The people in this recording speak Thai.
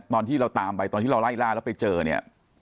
ตอนที่เราตามไปตอนที่เราไล่ล่าแล้วไปเจอเนี่ย